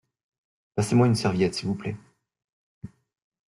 Passez-moi une serviette s’il vous plait.